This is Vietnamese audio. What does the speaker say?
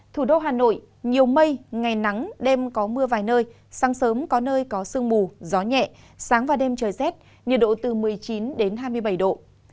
thủ đô hà nội nhiều mây ngày nắng đêm có mưa vài nơi sáng sớm có nơi có sương mù gió nhẹ sáng và đêm trời rét nhiệt độ từ một mươi chín đến hai mươi bảy độ